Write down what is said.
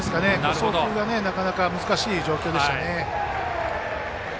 送球がなかなか難しい状況でしたね。